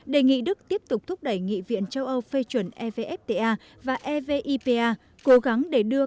đề nghị đức tiếp tục thúc đẩy nghị viện châu âu phê chuẩn evfta và evipa cố gắng để đưa